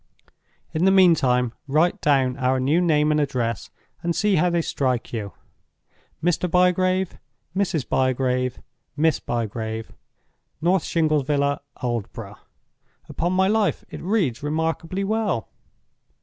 In the meantime write down our new name and address, and see how they strike you: 'Mr. Bygrave, Mrs. Bygrave, Miss Bygrave; North Shingles Villa, Aldborough.' Upon my life, it reads remarkably well!